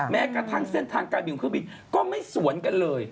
แม้กระทั่งเส้นทางการบินของเครื่องบินก็ไม่สวนกันเลย